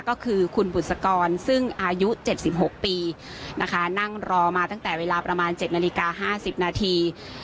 ก็คือคุณบุษกรซึ่งอายุเจ็ดสิบหกปีนะคะนั่งรอมาตั้งแต่เวลาประมาณเจ็ดนาฬิกาห้าสิบนาที